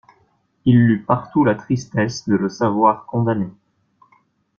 Il lut partout la tristesse de le savoir condamné.